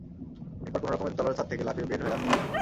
এরপর কোনোরকমে দোতলার ছাদ থেকে লাফিয়ে বের হয়ে আসতে সক্ষম হন।